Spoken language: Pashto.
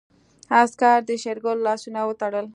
عسکر د شېرګل لاسونه وتړل.